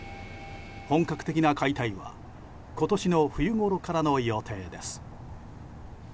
本格的な解体は、今年の冬ごろからの予定です。